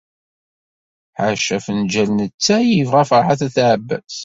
Ḥaca afenǧal n ttay i yebɣa Ferḥat n At Ɛebbas.